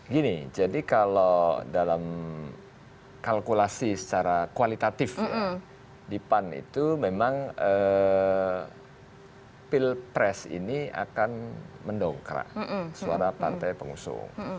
gini jadi kalau dalam kalkulasi secara kualitatif di pan itu memang pilpres ini akan mendongkrak suara partai pengusung